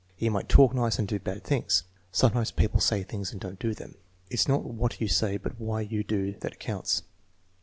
"He might talk nice and do bad things." "Sometimes people say things and don't do them." "It's not what you say but what you do that counts."